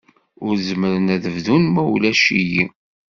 Ur zmiren ad bdun ma ulac-iyi.